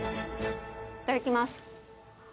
いただきます。